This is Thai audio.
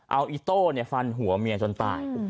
เอาอิโต้ฟันหัวเมียจนตาย